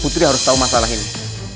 putri harus tahu masalah ini